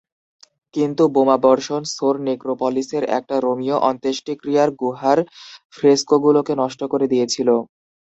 কিন্তু, বোমাবর্ষণ সোর নেক্রোপলিসের একটা রোমীয় অন্ত্যেষ্টিক্রিয়ার গুহার ফ্রেসকোগুলোকে নষ্ট করে দিয়েছিল।